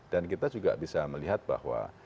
kita juga bisa melihat bahwa